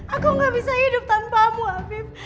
aku gak bisa hidup tanpamu hafib